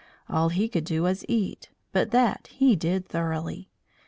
All he could do was eat, but that he did thoroughly.